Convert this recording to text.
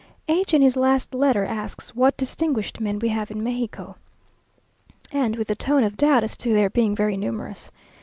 H in his last letter asks what distinguished men we have in Mexico? and with a tone of doubt as to their being very numerous.